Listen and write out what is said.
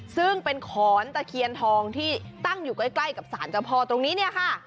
ซึ่งเป็นขอนตะเคียนทองที่ตั้งอยู่ใกล้กับสารเจ้าพ่อตรงนี้เนี่ยค่ะ